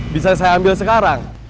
kalian abigail sekarang